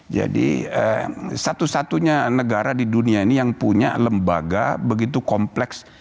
jadi satu satunya negara di dunia ini yang punya lembaga begitu kompleks